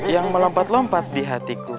yang melompat lompat di hatiku